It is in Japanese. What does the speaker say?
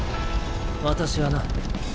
私はな。